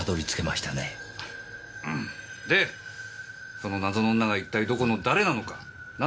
その謎の女が一体どこの誰なのかな